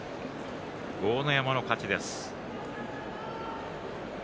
豪ノ山の勝ちです。